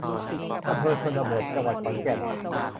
อำเภอชนบท จังหวัดขอนแก่น